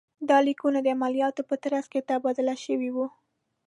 دا لیکونه د عملیاتو په ترڅ کې تبادله شوي وو.